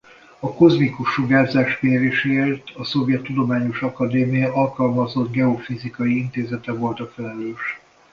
A kozmikus sugárzás méréséért a Szovjet Tudományos Akadémia Alkalmazott Geofizikai Intézete volt a felelős.